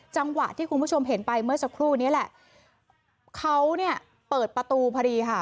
จังหวะที่คุณผู้ชมเห็นไปเมื่อสักครู่นี้แหละเขาเนี่ยเปิดประตูพอดีค่ะ